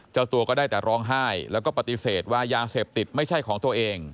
เจ้าตัวก็ได้แต่ร้องไห้แล้วก็ปฏิเสธว่ายาเสพติดไม่ใช่ของตัวเอง